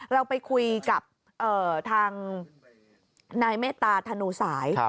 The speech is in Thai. เราไปคุยกับทางนายเมตตาธนูสาย